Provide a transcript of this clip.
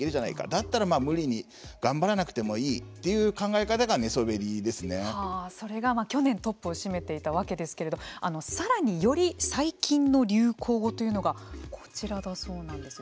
だったら無理に頑張らなくてもいいという考え方がそれが去年トップを占めていたわけですけれどもさらにより最近の流行語というのがこちらだそうなんです。